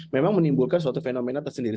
memang menimbulkan suatu fenomena tersendiri